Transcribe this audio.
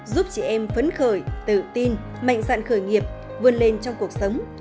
giúp chị em phấn khởi tự tin mạnh dạn khởi nghiệp vươn lên trong cuộc sống